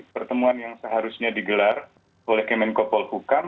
pertemuan yang seharusnya digelar oleh kemenko polhukam